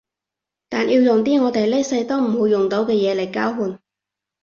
但要用啲我哋呢世都唔會得到嘅嘢嚟交換